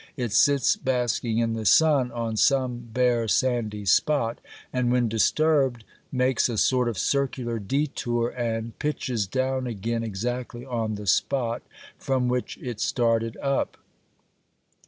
It sits basking in the sun on some bare sandy spot, and when disturbed makes a sort of circular detour and pitches down again exactly on the spot from which it started up.